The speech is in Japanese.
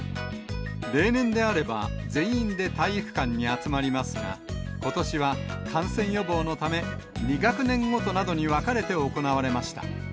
例年であれば、全員で体育館に集まりますが、ことしは感染予防のため、２学年ごとなどに分かれて行われました。